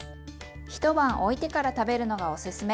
一晩おいてから食べるのがおすすめ。